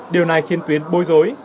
điều này khiến tuyến bối rối